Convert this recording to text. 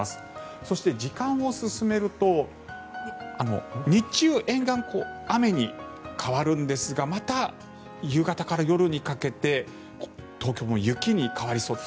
そして、時間を進めると日中、沿岸、雨に変わるんですがまた夕方から夜にかけて東京も雪に変わりそうです。